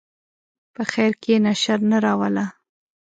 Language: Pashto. په خیر کښېنه، شر نه راوله.